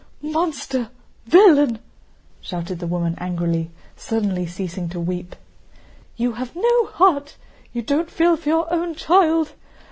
"Monster! Villain!" shouted the woman angrily, suddenly ceasing to weep. "You have no heart, you don't feel for your own child!